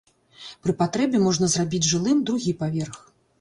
Пры патрэбе можна зрабіць жылым другі паверх.